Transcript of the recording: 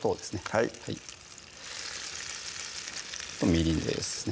はいみりんですね